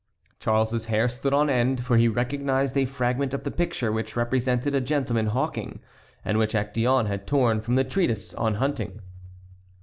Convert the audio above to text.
Charles's hair stood on end, for he recognized a fragment of the picture which represented a gentleman hawking, and which Actéon had torn from the treatise on hunting.